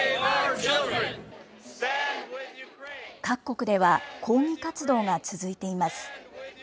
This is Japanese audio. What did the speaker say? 各国では抗議活動が続いています。